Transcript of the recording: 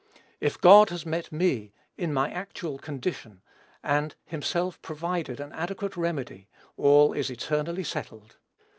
If God has met me, in my actual condition, and himself provided an adequate remedy, all is eternally settled.